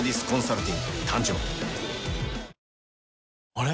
あれ？